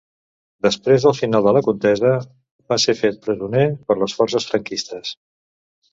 Després del final de la contesa va ser fet presoner per les forces franquistes.